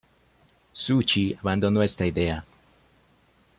Zucchi abandonó esta idea.